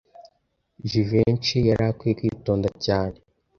Jivency yari akwiye kwitonda cyane.